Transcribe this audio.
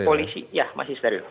polisi ya masih steril